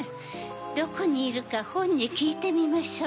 どこにいるかほんにきいてみましょう。